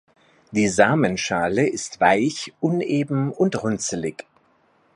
Die Samenschale ist weich, uneben und runzlig.